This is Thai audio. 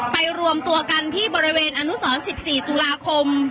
รวมตัวกันที่บริเวณอนุสร๑๔ตุลาคม